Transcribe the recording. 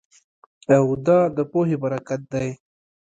او دا د پوهې برکت دی